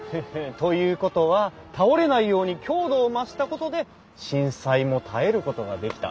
ということは倒れないように強度を増したことで震災も耐えることができた。